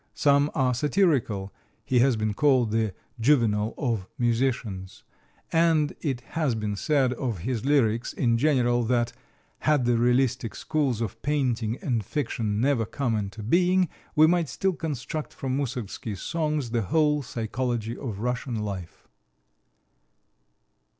Some are satirical he has been called the "Juvenal of musicians" and it has been said of his lyrics in general that "had the realistic schools of painting and fiction never come into being we might still construct from Moussorgsky's songs the whole psychology of Russian life."